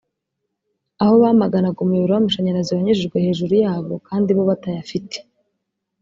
aho bamaganaga umuyoboro w’amashanyarazi wanyujijwe hejuru yabo kandi bo batayafite